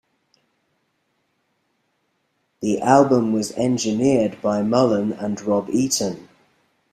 The album was engineered by Mullen and Rob Eaton.